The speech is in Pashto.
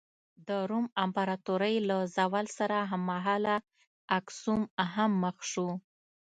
د روم امپراتورۍ له زوال سره هممهاله اکسوم هم مخ شو.